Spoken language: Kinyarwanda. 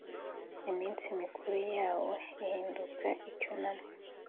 iminsi mikuru yawo ihinduka icyunamo